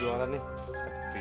siapa mau ngoperasi